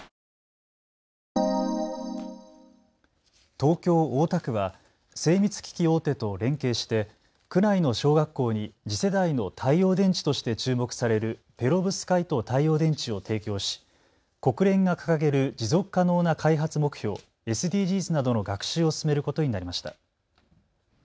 東京大田区は精密機器大手と連携して、区内の小学校に次世代の太陽電池として注目されるペロブスカイト太陽電池を提供し国連が掲げる持続可能な開発目標・ＳＤＧｓなどの学習を進めることになりました。